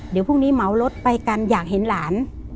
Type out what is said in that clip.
เดี๋ยวพรุ่งนี้เหมารถไปกันอยากเห็นหลาน